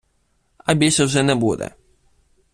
а більше вже не буде